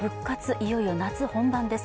いよいよ夏本番です。